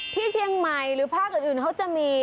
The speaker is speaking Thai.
ที่เชียงใหม่หรือภาคอื่นเขาจะมี